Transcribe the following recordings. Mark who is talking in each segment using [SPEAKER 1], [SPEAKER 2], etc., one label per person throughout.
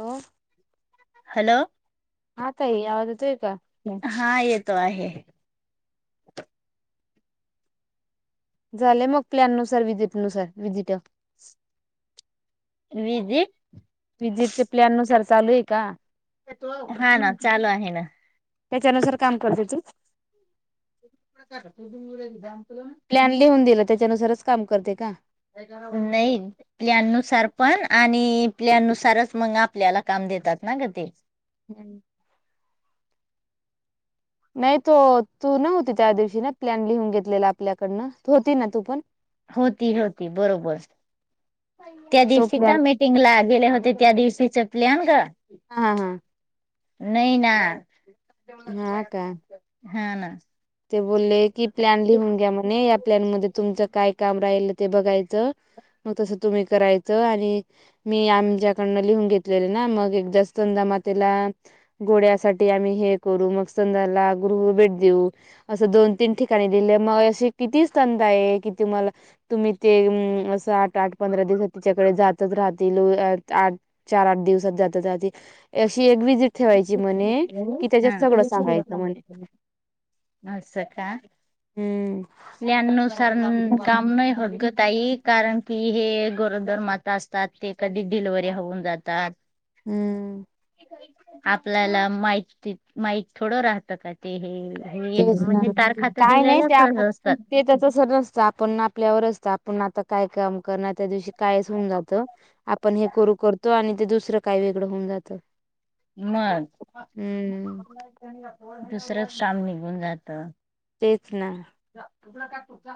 [SPEAKER 1] हो, हा ताई, आवाज येतोय का?
[SPEAKER 2] हा, येतो आहे.
[SPEAKER 1] झाले मग, प्लॅनुसार, वि्हजिट नुसार, विजिट.
[SPEAKER 2] विजिट?
[SPEAKER 1] विजिटच प्लॅननुसार चालू आहे का?
[SPEAKER 2] हा ना, चालू आहे ना.
[SPEAKER 1] त्याच्यानुसार काम करते तू?
[SPEAKER 2] [unintelligible] [inaudible]
[SPEAKER 1] प्लॅन लिहून दिल, त्याच्यानुसारच काम करते का?
[SPEAKER 2] नई प्लॅन नुसार पण, आणि प्लॅन नुसारच मग आपल्याला काम देतात ना ग ते.
[SPEAKER 1] हम्. नाही तो, तू नव्हती त्या दिवशी ना प्लॅन लिहून घेतलेला आपल्याकडनं, तू होती ना तू पण?
[SPEAKER 2] होती होती, बरोबर. त्या दिवशी का म टिंगला गेले होते, त्या दिवशीच प्लॅन ग
[SPEAKER 1] हा हा.
[SPEAKER 2] नाही ना, हा ना.
[SPEAKER 1] ते बोलले की, प्लॅन लिहून घ्या म्हणे, या प्लॅन मध्ये तुमचं काय काम राहिल ते बघायचं मग तसं तुम्ही करायचं, आणि मी आमच्याकडनं लिहून घेतलेले ना, मग एकदा स्तंदा मातेला गोड्यासाठी आम्ही हे करू, मग संधाला गृह भेट देऊ. असं दोन तीन ठिकाणी दिल, मग अशी किती स्तंदा आहे कि, तुम्हाला तुम्ही ते अ असं आठ आठ पंधरा दिवस तिच्याकडे जातच राहतील, आठ चार आठ दिवसात जात जाते, अशी एक व्हिजिट ठेवायची म्हणे, कि त्याच्यात सगळं सांगायचं म्हणे.
[SPEAKER 2] असं का? प्लॅन नुसार न काम होत नाही ग ताई कारण की हे गरोदर माता असतात ते कधी डिलवरी होऊन जातात.
[SPEAKER 1] हम्म.
[SPEAKER 2] आपल्याला माहिती माहीत थोडं राहतं काय? ते हे हे
[SPEAKER 1] तेच ना काय नाही ते आपल्यात पण त्याच अस नसतात. आपण आपल्यावर असत आपण आता काय काम करणार त्या दिवशी कायच होऊन जातं. आपण हे करू करतो आणि ते दुसरं काय वेगळं होऊन जातं.
[SPEAKER 2] मग दुसरच काम निघून जात.
[SPEAKER 1] तेच ना?
[SPEAKER 2] जा चुकला काय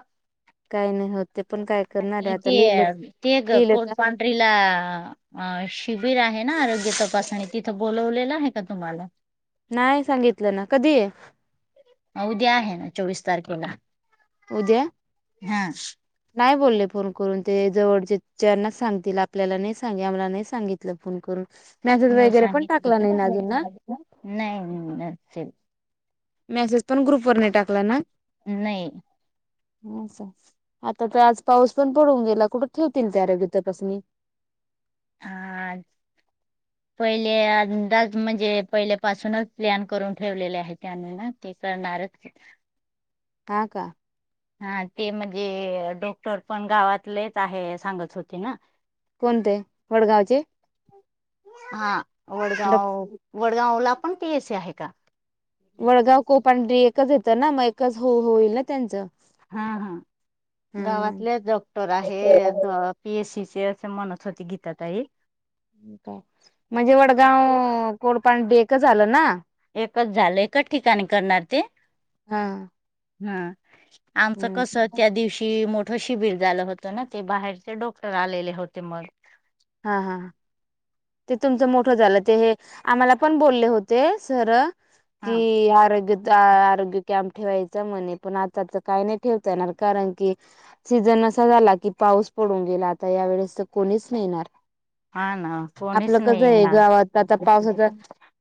[SPEAKER 2] [unintelligible] आणि ते ते ग कोट पांढरीला अ शिबिर आहे ना आरोग्य तपासणी तिथं बोलवलेलं आहे का तुम्हाला?
[SPEAKER 1] नाही सांगितलं ना कधी आहे.
[SPEAKER 2] उद्या आहे ना चोवीस तारखेला.
[SPEAKER 1] उद्या!
[SPEAKER 2] हा.
[SPEAKER 1] नाही बोलले फोन करून ते जवळ ज ज्यांनाच सांगतील आपल्याला नाही सांगे आम्हाला नाही सांगित- तल फोन करून मॅसेज वगैरे पण टाकला नाही ना अजून ना?
[SPEAKER 2] नाही ना ते
[SPEAKER 1] मेसेज पण ग्रुप वर नाही टाकला ना?
[SPEAKER 2] नाही.
[SPEAKER 1] हम्. आता तर आज पाऊस पण पडून गेला कुठे ठेवतील ते आरोग्य तपासणी.
[SPEAKER 2] हा. पहिले अंदाज म्हणजे पहिल्यापासूनच प्लॅन करून ठेवलेले आहे त्यान ना ते करणारच. [inaudible]
[SPEAKER 1] हा का?
[SPEAKER 2] हा ते म्हणजे डॉक्टर पण गावातलेच आहे सांगत होते ना? हा वडगाव वडगावला पण पी एसी आहे का?
[SPEAKER 1] वडगाव कोपंड्री एकच येतं ना मग एकच हो होईल ना त्यांचं
[SPEAKER 2] हा हा गावातलेच डॉक्टर आहे पी एस सी चे असे म्हणतं होती गीता ताई
[SPEAKER 1] म्हणजे वडगाव कोडपाण डे एकच आलं ना?
[SPEAKER 2] एकच झालं एकच ठिकाणी करणार ते
[SPEAKER 1] हा.
[SPEAKER 2] हा आमचं कस त्या दिवशी मोठ शिबिर झालं होतं ना ते बाहेरचे डॉक्टर आलेले होते मग
[SPEAKER 1] हा हा. ते तुमचं मोठं झालं ते हे आम्हाला पण बोलले होते सर की आरोग्य दा आरोग्य कॅम्प ठेवायचा म्हणे पण आताच काही नाही ठेवता येणार कारण की - - सीझन असा झाला की पाऊस पडून गेला आता यावेेळेस तर कोणीच नही येणार.
[SPEAKER 2] हा ना.
[SPEAKER 1] आपलं कसं आहे गावात आता पावसाचा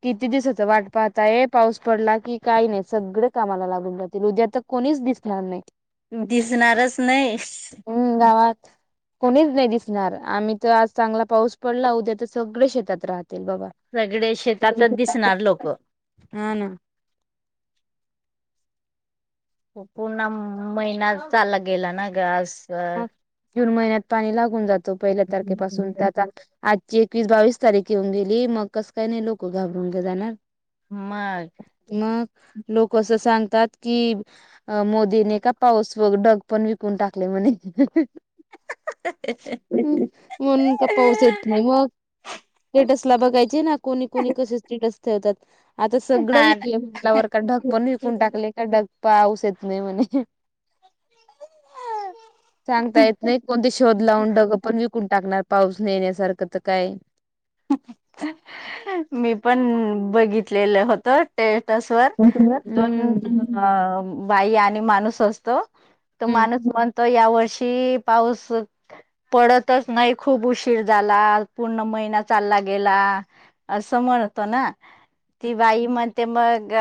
[SPEAKER 1] किती दिवसच वाट पाहताय पाऊस पडला की, काही नाही सगळे कामाला लागून जातील उद्या तर कोणीच दिसणार नाही.
[SPEAKER 2] दिसणारच नाही.
[SPEAKER 1] हम् गावात, कोणीच नाही दिसणार आम्ही तर आज चांगला पाऊस पडला उद्या तर सगळे शेतात राहतेत बाबा.
[SPEAKER 2] सगळे शेतातच दिसणार लोक.
[SPEAKER 1] हा ना.
[SPEAKER 2] पूर्ण महिना चालला गेला ना आस
[SPEAKER 1] जून महिन्यात पाणी लागून जातो पहिल्या तारखेपासून ते आता आजची एकवीस बावीस तारीख येऊन गेली, मग कसं काय नाही लोकं घाबरून जाणार.
[SPEAKER 2] मग
[SPEAKER 1] मग लोक असं सांगतात कि अ मोदीने का पाऊस व डग पण विकून टाकले म्हणे.
[SPEAKER 2] हहहह,
[SPEAKER 1] म्हणून तर पाऊस येत नाही मग, स्टेटस ला बघायचे ना. कोणी कोणी कसे स्टेटस ठेवतात, आता सगळं विकले म्हटल्यावर का ढग पण विकून टाकले. खड्ड्यात पाऊस येत नाही म्हणे.
[SPEAKER 2] हा [unintelligible]
[SPEAKER 1] सांगता येत नाही कोणते शोध लावून डगं पण विकून टाकणार पाऊस नेण्यासारखं तर काय
[SPEAKER 2] मी पण बघितलेलं होत. स्टेटस वर दोन बाई आणि माणूस असतो. तो माणूस म्हणतो या वर्षी पाऊस पडतच नाही खूप उशीर झाला पूर्ण महिन्या चालला गेला असं म्हणतो ना. ती बाई म्हणते मग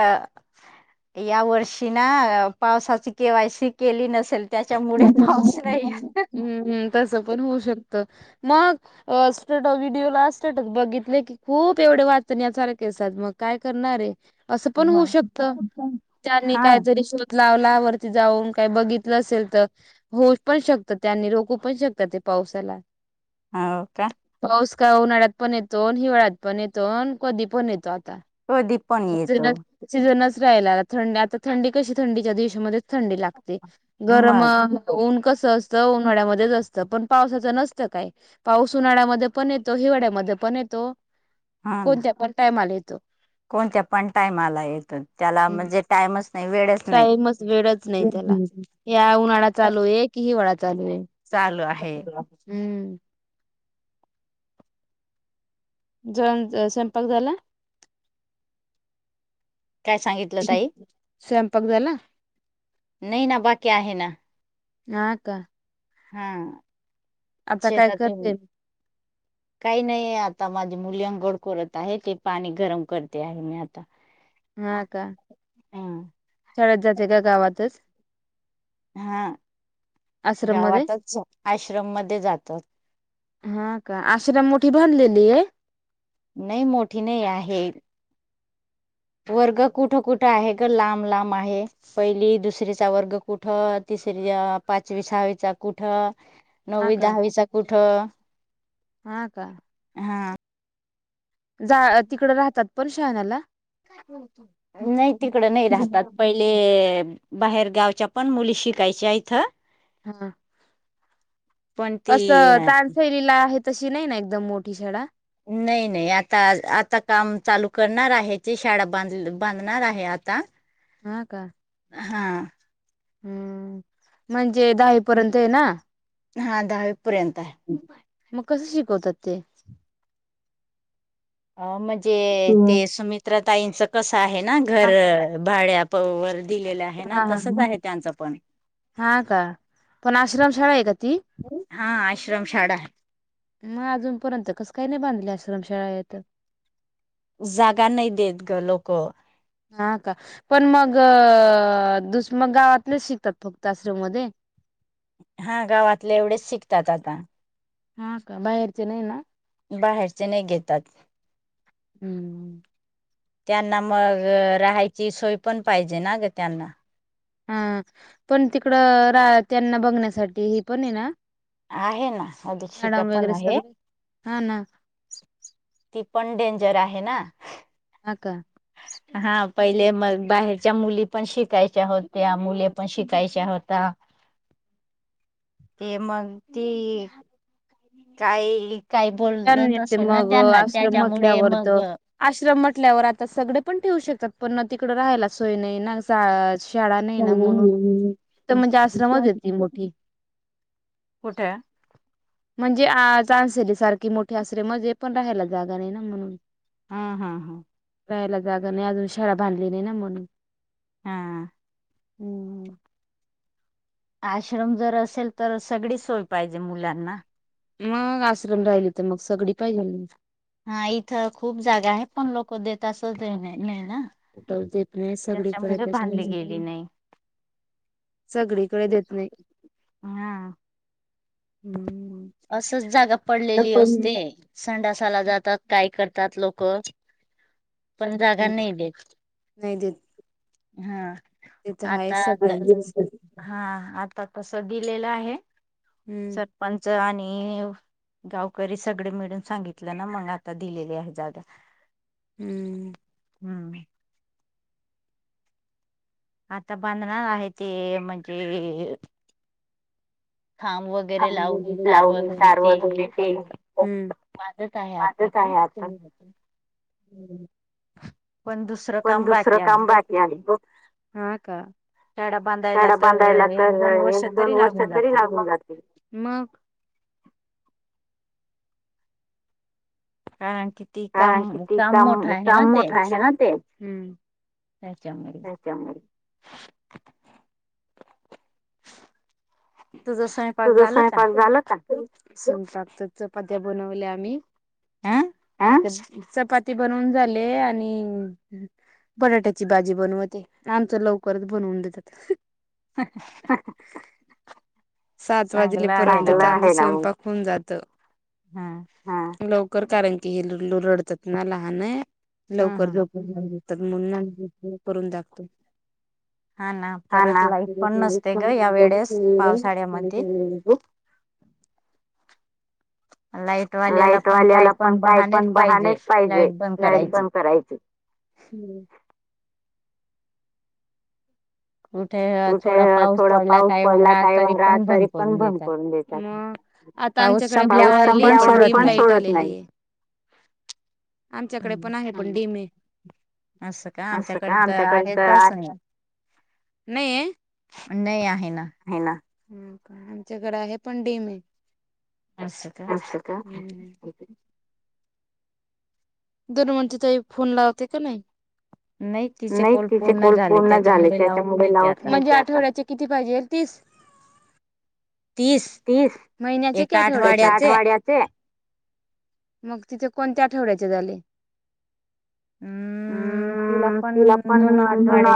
[SPEAKER 2] या वर्षी ना, पावसाची केवायसी केली नसेल.
[SPEAKER 1] हम्् [unintelligible] तसं पण होऊ शकत मग स्टेटस व्हिडिओ ला स्टेटस बघितले की, खूप एवढे वाचण्यासारखे असतात मग काय करणार आहे. असं पण होऊ शकत, त्यांनी कायतरी शोध लावला वरती जाऊन काय बघितलं असेल. होऊ पण शकत त्यांनी रोखू पण शकतात ते पावसाला.
[SPEAKER 2] हो का?
[SPEAKER 1] पाऊस काय उन्हाळ्यात पण येतो, हिवाळ्यात पण येतो, कधी पण येतो आता.
[SPEAKER 2] प्रदीप
[SPEAKER 1] सीझनच राहिला आता थंडी, आता थंडी कशी थंडीच्या दिवसामध्ये थंडी लागते. गरम ऊन कसं असतं उन्हाळ्यामध्येच असतं, पण पावसाचं नसतं काय. पाऊस उन्हाळ्यामध्ये पण येतो, हिवाळ्यामध्ये पण येतो, कोणत्या पण टायमाला येतो.
[SPEAKER 2] कोणत्या पण टायमाला येतो, त्याला म्हणजे टाईमच नाही वेळेच ना
[SPEAKER 1] टाईमच वेळच नाही त्याला, या उन्हाळा चालू आहे की हिवाळा चालू आहे.
[SPEAKER 2] चालू आहे.
[SPEAKER 1] हम्म. जेवण, स्वयंपाक झाला?
[SPEAKER 2] काय सांगि
[SPEAKER 1] स्वयंपाक झाला?
[SPEAKER 2] नाही ना, बाकी आहे ना.
[SPEAKER 1] हां का?
[SPEAKER 2] हां शेतात च हू. काही नाही आहे आता, माझी मुली अंघोळ करत आहे ते पाणी गरम करते आहे. मी आता. [unintelligible]
[SPEAKER 1] हां का, शाळात जाते का गावातच?
[SPEAKER 2] हां, गावातच आश्रम मध्ये जातात.
[SPEAKER 1] हां का, आश्रम मोठी भरलेलीये?
[SPEAKER 2] नाही. मोठी नाही आहे. वर्ग कुठं कुठं आहे? ग लांब लांब आहे. पहिली दुसरीचा वर्ग कुठं? तिसरी अ पाचवी सहावीचा कुठं? नववी दहावीचां कुठं?
[SPEAKER 1] हां का?
[SPEAKER 2] हा.
[SPEAKER 1] जा तिकड राहतात, पण शाळला?
[SPEAKER 2] नाही, तिकडं नाही राहतात. पहिले, बाहेर गावच्या पण मुली शिकायच्या इथं.
[SPEAKER 1] [unintelligible] असं ताण फैलीला आहे तशी नाही ना एकदम मोठी शाळा?
[SPEAKER 2] नाही, नाही, आता आता काम चालू करणार आहे ते शाळा बांध बांधणार आहे आता. ह [inaudible]
[SPEAKER 1] हा का?
[SPEAKER 2] हां.
[SPEAKER 1] हम्म, म्हणजे दहावी पर्यंतये ना?
[SPEAKER 2] हा दहावी पर्यंत हाय.
[SPEAKER 1] म कसं शिकवतात ते?
[SPEAKER 2] अ, म्हणजे ते सुमित्रा ताईंचं कसं आहे ना घर भाड्या प वरती गेल्या
[SPEAKER 1] हां, हा, हम्म, हां, का? पण आश्रम शाळा आहे का ती?
[SPEAKER 2] हां आश्रमशाळा
[SPEAKER 1] म अजूनपर्यंत कसं काय नाही बांधल आश्रमशाळा इथं?
[SPEAKER 2] जागा नाही देत ग लोक.
[SPEAKER 1] हां का? पण मग दुस मग गावातलेच शिकतात फक्त आश्रममध्ये?
[SPEAKER 2] हा गावातले एवढेच शिकतात आता.
[SPEAKER 1] हा का, बाहेरचे नाही ना?
[SPEAKER 2] बाहेरचे नाही घेतात. त्यांना मग राहायची सोय पण पाहिजे ना ग त्यांना.
[SPEAKER 1] हां, पण तिकडं राया त्यांना बघण्यासाठी हि पण आहे ना?
[SPEAKER 2] आहे ना. अधि शिक पण आहे.
[SPEAKER 1] हा ना.
[SPEAKER 2] ती पण डेंजर आहे ना.
[SPEAKER 1] हा का?
[SPEAKER 2] [inaudible] हा पहिले म बाहेरच्या मुली पण शिकायच्या होत्या मुले पण शिकायच्या होता. [unintelligible] ते मग ती काही काही बोलत असेल ना
[SPEAKER 1] आश्रम म्हटल्यावरत आश्रम म्हटल्यावर आता सगळे पण ठेवू शकत पण तिकड राहायला सोय नाही ना शाळेत शाळा नाही ना म्हणून तर म्हणजे आश्रमच येते मोठी
[SPEAKER 2] कुठे हे
[SPEAKER 1] म्हणजे आता सारखी मोठे आश्रम मजे पण राहायला जागा नाही ना म्हणून
[SPEAKER 2] हा हा हा
[SPEAKER 1] राहायला जागा नाही अजून शाळा बांधली नाही ना म्हणून
[SPEAKER 2] हा
[SPEAKER 1] हम्म
[SPEAKER 2] आश्रम जर असेल तर सगळी सोय पाहिजे मुलांना
[SPEAKER 1] मग आश्रम राहिले तर मग सगळी पाहिजेल.
[SPEAKER 2] हा इथं खूप जागा आहे पण लोक देत असच होत नाही नाही ना
[SPEAKER 1] देत नाहीत सगळी कडे तसच सगळीकडे देत नाहीत.
[SPEAKER 2] असच जागा पडलेली असते संडासाला जातात काय करतात लोक पण जागा नाही देत हा आता तर हा आता तस दिलेल आहे सरपंच आणि गावकरी सगळे मिळून सांगितलं ना मग आता दिलेली आहे जागा
[SPEAKER 1] हम्म
[SPEAKER 2] हम्म आता बांधणार आहे ते म्हणजे खांब वगैरे लावून तार वगैरे ते बांधत आहे आता
[SPEAKER 1] पण दुसरं काम बाकी आणि हा का कडा बांधयला तर एक दोन वर्षात तरी लागून जातील.
[SPEAKER 2] हा किती काम काम मोठं आहे ना ते त्याच्यामुळ.
[SPEAKER 1] त्यामुळ तुझं स्वयंपाक झाल का स्वयंपाक चपात्या बनवल्या आम्ही हा चपाती बनवून झाले आणि बटाट्याची भाजी बनवती आमचं लवकरच बनवून देतात. ह ह सात वाजलेपर्यंत स्वयंपाक होऊन जात. हा लवकर कारण कि हे मूल रडतात ना लहान आहे लवकर ल तर करून जातो.
[SPEAKER 2] हा ना परत लाईट पण नसते ग या वेळेस पावसाळ्यामध्ये लाईट
[SPEAKER 1] लाईटवाल्याला पण काय पण बहाणेच पाहिजे लाईट बंद करायची. हम्म
[SPEAKER 2] कुठे थोडा पाऊस पडला काही वारा तरी पण बंद करून देतात. पाऊस संपल्यावर पण सोडत नाही
[SPEAKER 1] आमच्याकडे पण आहे पण डीमे. अस का आमच्या कडत आज नय ये? हाय ना. आमच्याकड आहे पण डीम ये. अस का? हम्म [unintelligible] दोर म्हणतो [unintelligible] ताई फोन लावते का नाही? नाही तिचे काॅल पूर्ण झाले त्याच्यामुळे लावत--म्हणजे आत आठवड्याचे किती पाहिजे? तीस. तीस, महिन्याचे की आठवड्याचे? एका आठवाड्यात ते-मग तिथे कोणत्या आठवड्याचे झाले?
[SPEAKER 2] हम्म.... म तिला पण दोन आठवाडे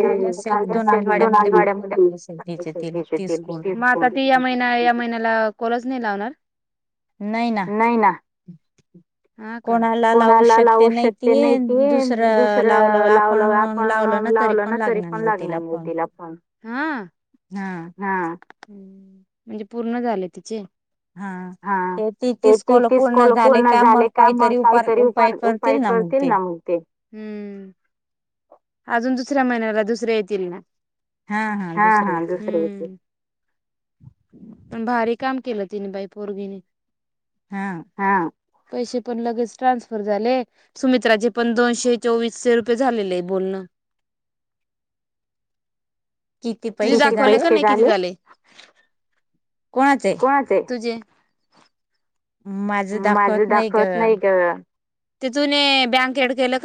[SPEAKER 2] झाले असेल दोन आठवड्यामध्ये [inaudible]
[SPEAKER 1] [unintelligible] मग आता ती या महिना- या महिन्याला. काॅलज नाही लावणार? नाही ना. कोणाला लावू शकते नाहीती दुसरं लावलं आपण लावल ना तरी पण लागणार नाही तीला फोन. आ
[SPEAKER 2] हा.
[SPEAKER 1] हा. म्हणजे पूर्ण झाले तिचे? हा, ते ती तीस कोल पूर्ण झाले का मग काय तरी उपार-उपाय करतील ना मग? बहुतेक हम्म अजून दुसऱ्या महिन्याला दुसरे येतील ना? हा- हा दुसरे येतील. हम्म पण भारी काम केलं तिने बाई पोरगीनी
[SPEAKER 2] हा.
[SPEAKER 1] हा पैशी पण लगेच ट्रान्सफर झाले. सुमित्राचे पण दोनशे चोवीसशे रुपये झालेले हाय बोलण. तुझे दाखवले का नाही किती झालय? [inaudible] कोणाते? तुझे. माझं दाखवत नाही ग. ते थूने बँक एड केलं